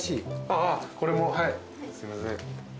あっこれもはいすいません。